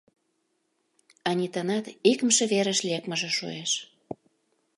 Анитанат икымше верыш лекмыже шуэш.